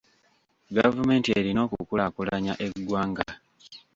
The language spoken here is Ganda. Gavumenti erina okukulaakulanya eggwanga.